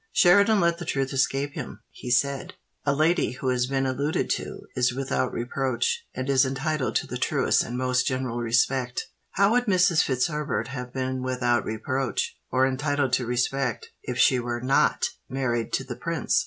Sheridan let the truth escape him:—he said, 'A lady who has been alluded to, is without reproach, and is entitled to the truest and most general respect.' How would Mrs. Fitzherbert have been without reproach, or entitled to respect, if she were not married to the prince?